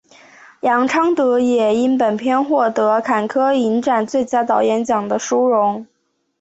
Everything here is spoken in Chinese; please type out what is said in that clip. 杨德昌也因本片获得坎城影展最佳导演奖的殊荣。